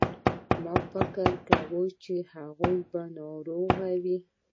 ما فکر کاوه چې هغه به ناروغ وي.